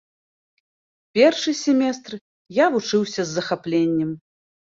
Першы семестр я вучыўся з захапленнем.